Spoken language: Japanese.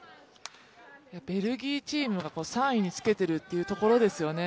ベルギーチームが３位につけているというところですよね。